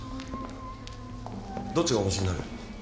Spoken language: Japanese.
どっちが重しになる？